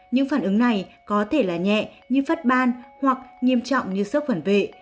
những phản ứng này có thể là nhẹ như phất ban hoặc nghiêm trọng như sức khuẩn vệ